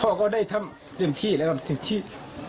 ก็ได้ทำเต็มที่แล้วครับเต็มที่